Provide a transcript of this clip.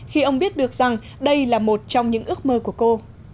khi ông biết được rằng đây là một trong những ước mơ của cô